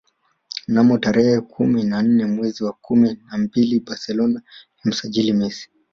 Mnamo tarehe kumi na nne mwezi wa kumi na mbili Barcelona ilimsajili Messi